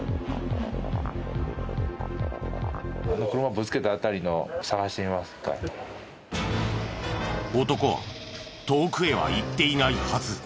男は遠くへは行っていないはず。